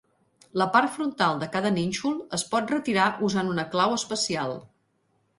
La part frontal de cada nínxol es pot retirar usant una clau especial.